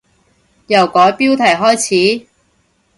由改標題開始？